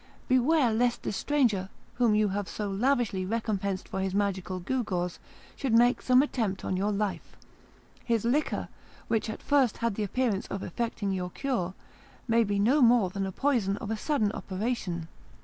Beware lest this stranger, whom you have so lavishly recompensed for his magical gewgaws, should make some attempt on your life; his liquor, which at first had the appearance of effecting your cure, may be no more than a poison of a sudden operation.